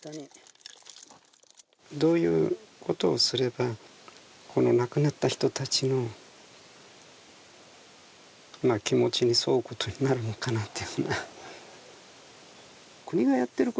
どういうことをすれば亡くなった人たちの気持ちに添うことになるのかなと。